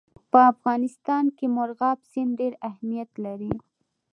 په افغانستان کې مورغاب سیند ډېر اهمیت لري.